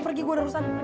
pergi gue udah rusak